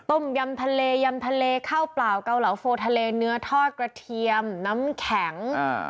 ต้มยำทะเลยำทะเลข้าวเปล่าเกาเหลาโฟทะเลเนื้อทอดกระเทียมน้ำแข็ง